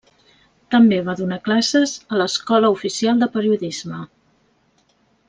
També va donar classes a l'Escola Oficial de Periodisme.